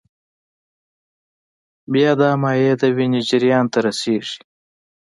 بیا دا مایع د وینې جریان ته رسېږي.